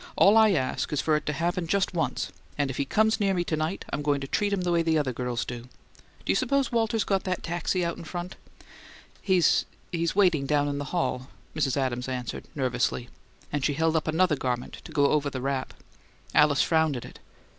All I ask is for it to happen just once; and if he comes near me to night I'm going to treat him the way the other girls do. Do you suppose Walter's got the taxi out in front?" "He he's waiting down in the hall," Mrs. Adams answered, nervously; and she held up another garment to go over the wrap. Alice frowned at it.